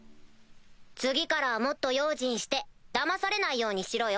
次からはもっと用心してだまされないようにしろよ？